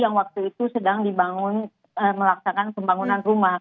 yang waktu itu sedang dibangun melaksanakan pembangunan rumah